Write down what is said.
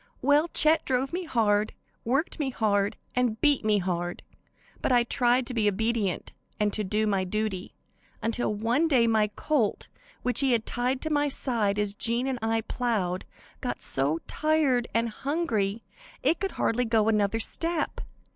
"Well, Chet drove me hard, worked me hard and beat me hard, but I tried to be obedient and do my duty, until one day my colt, which he had tied to my side as Jean and I plowed, got so tired and hungry it could hardly go another step.